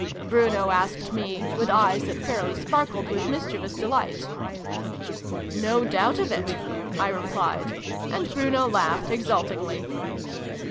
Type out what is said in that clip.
Bruno asked me, with eyes that fairly sparkled with mischievous delight. " No doubt of it !" I replied. And Bruno laughed exultingly.